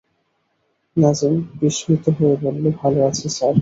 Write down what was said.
নাজিম বিস্মিত হয়ে বলল, ভালো আছি, স্যার।